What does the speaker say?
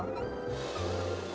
nggak ada apa apa